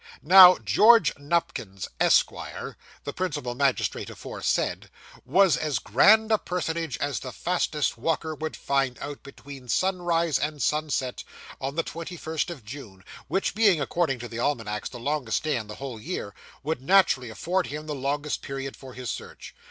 Now George Nupkins, Esquire, the principal magistrate aforesaid, was as grand a personage as the fastest walker would find out, between sunrise and sunset, on the twenty first of June, which being, according to the almanacs, the longest day in the whole year, would naturally afford him the longest period for his search.